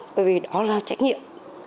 bởi vì đó là trách nhiệm